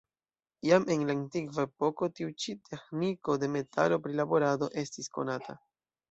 Jam en la antikva epoko tiu ĉi teĥniko de metalo-prilaborado estis konata.